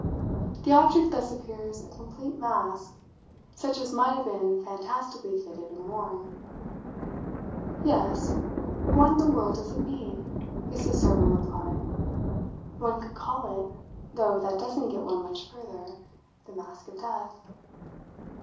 The object thus appears a complete mask, such as might have been fantastically fitted and worn. "Yes, what in the world does it mean?" Mrs. Server replied. "One could call it though that doesn't get one much further the Mask of Death."